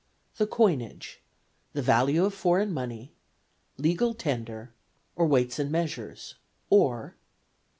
The coinage; the value of foreign money; legal tender; or weights and measures; or "(13.)